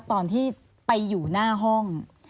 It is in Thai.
ตอนที่ไปอยู่หน้าห้อง